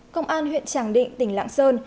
công an huyện tràng định tỉnh lãng sơn